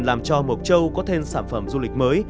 làm cho mộc châu có thêm sản phẩm du lịch mới